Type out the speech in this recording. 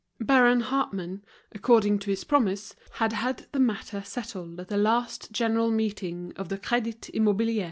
Baron Hartmann, according to his promise, had had the matter settled at the last general meeting of the Crédit Immobilier.